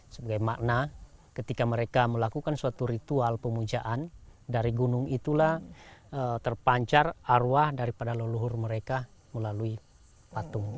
sebagai makna ketika mereka melakukan suatu ritual pemujaan dari gunung itulah terpancar arwah daripada leluhur mereka melalui patung